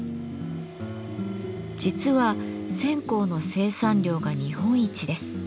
実は線香の生産量が日本一です。